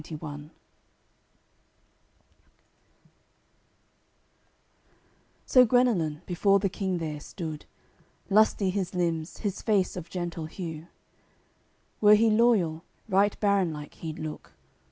CCLXXIII So Guenelun, before the King there, stood; Lusty his limbs, his face of gentle hue; Were he loyal, right baron like he'd looked.